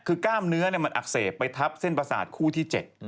คือกล้ามเนื้อมันอักเสบไปทับเส้นประสาทคู่ที่๗